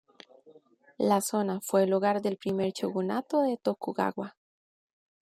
La zona fue el hogar del primer Shogunato de Tokugawa.